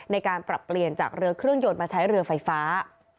ในการปรับเปลี่ยนจากเรือเครื่องยนต์มาใช้เรือไฟฟ้า